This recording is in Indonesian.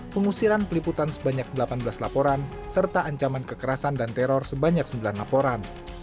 pengusiran peliputan sebanyak delapan belas laporan serta ancaman kekerasan dan teror sebanyak sembilan laporan